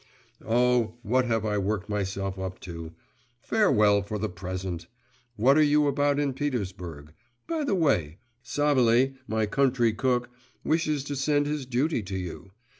Oh, what have I worked myself up to! Farewell for the present! What are you about in Petersburg? By the way; Savely, my country cook, wishes to send his duty to you.